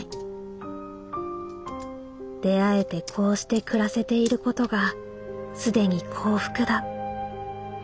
出会えてこうして暮らせていることが既に幸福だ。